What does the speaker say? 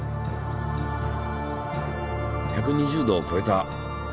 １２０℃をこえた！